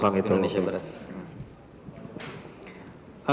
jam delapan belas itu indonesia barat